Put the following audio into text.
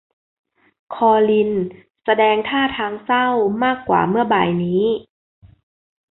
คอลินแสดงท่าทางเศร้ามากกว่าเมื่อบ่ายนี้